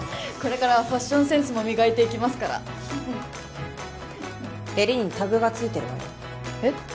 これからはファッションセンスも磨いていきますから襟にタグが付いてるわよえっ？